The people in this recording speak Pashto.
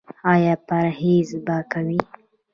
ایا پرهیز به کوئ؟